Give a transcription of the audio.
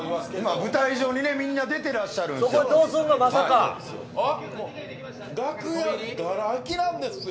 舞台上にみんな出てらっしゃいますけど。